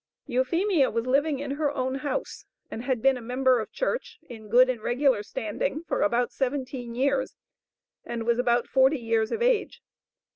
Euphemia was living in her own house, and had been a member of church, in good and regular standing, for about seventeen years, and was about forty years of age.